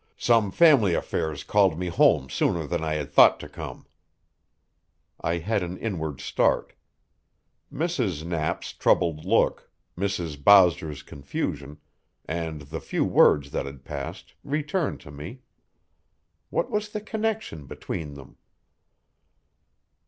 "Some family affairs called me home sooner than I had thought to come." I had an inward start. Mrs. Knapp's troubled look, Mrs. Bowser's confusion, and the few words that had passed, returned to me. What was the connection between them?